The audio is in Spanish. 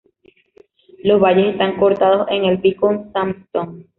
Los valles están cortados en el Beacon sandstone.